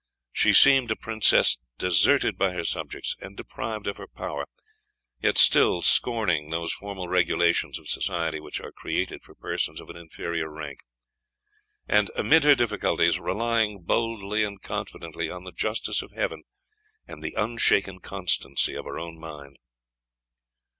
She seemed a princess deserted by her subjects, and deprived of her power, yet still scorning those formal regulations of society which are created for persons of an inferior rank; and, amid her difficulties, relying boldly and confidently on the justice of Heaven, and the unshaken constancy of her own mind.